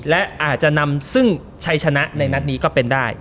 และอาจจะนำซึ่งใช้ชนะในนัดนี้ก็เป็นได้